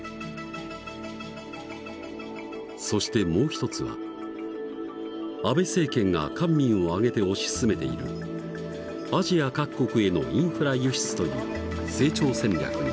そしてもう一つは安倍政権が官民を挙げて推し進めているアジア各国へのインフラ輸出という成長戦略にある。